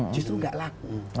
justru tidak laku